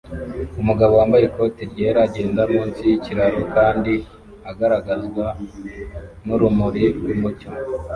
Umugabo wambaye ikoti ryera agenda munsi yikiraro kandi agaragazwa nurumuri rwumucyo